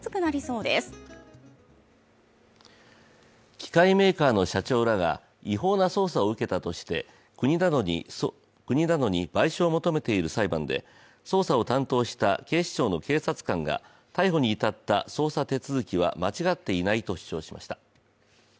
機械メーカーの社長らが違法な捜査を受けたとして国などに賠償を求めている裁判で捜査を担当した警視庁の警察官が逮捕に至った捜査手続きは間違っていないと主張しました。